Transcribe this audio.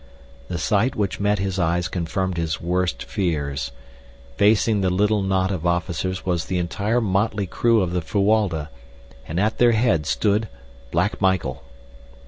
The sight which met his eyes confirmed his worst fears. Facing the little knot of officers was the entire motley crew of the Fuwalda, and at their head stood Black Michael.